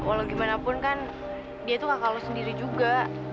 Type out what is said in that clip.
walau gimana pun kan dia tuh gak kalah sendiri juga